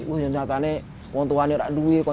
wah ternyata ini orang tua ini orang tua